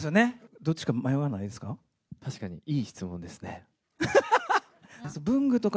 どっちか迷わないですか？